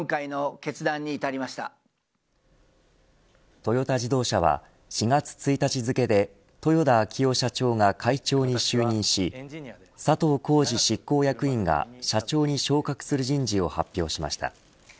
トヨタ自動車は４月１日付けで豊田章男社長が会長に就任し佐藤恒治執行役員が社長に昇格する人事を発表しました。